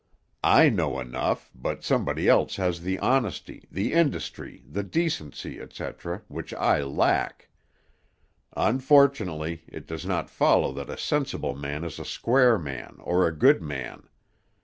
I know enough, but somebody else has the honesty, the industry, the decency, etc., which I lack. Unfortunately, it does not follow that a sensible man is a square man or a good man.